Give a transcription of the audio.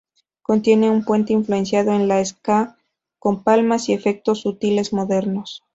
Contiene un puente influenciado en el "ska", con palmas y efectos sutiles modernos.